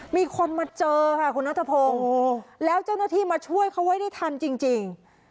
มีคนมาเจอค่ะคุณนัทพงศ์แล้วเจ้าหน้าที่มาช่วยเขาไว้ได้ทันจริง